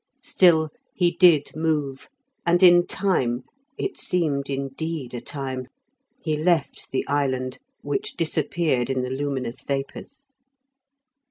Still, he did move, and in time (it seemed, indeed, a time) he left the island, which disappeared in the luminous vapours.